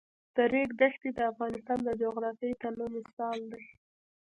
د ریګ دښتې د افغانستان د جغرافیوي تنوع مثال دی.